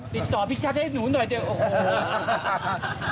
ติดต่อพี่ชัดให้หนูหน่อยเดี๋ยวโอ้โห